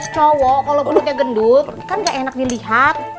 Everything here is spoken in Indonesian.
cowok kalau pelutnya gendut kan gak enak dilihat